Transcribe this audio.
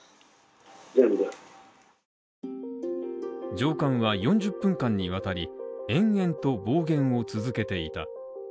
上官は４０分間にわたり延々と暴言を続けていた。